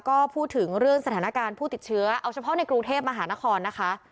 ก็พูดถึงเรื่องสถานการณ์ผู้ติดเชื้อเอาเฉพาะในกรุงเทพมหานครนะคะ